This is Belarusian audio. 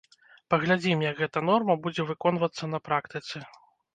Паглядзім, як гэта норма будзе выконвацца на практыцы.